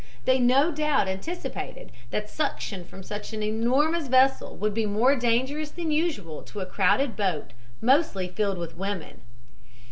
They no doubt anticipated that suction from such an enormous vessel would be more dangerous than usual to a crowded boat mostly filled with women.